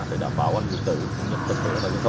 để đảm bảo an ninh trật tự